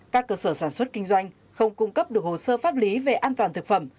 các cơ sở sản xuất kinh doanh không cung cấp được hồ sơ pháp lý về an toàn thực phẩm